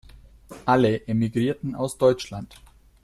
Alle emigrierten aus Deutschland.